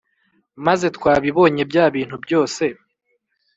maze twbibonye byabintu byose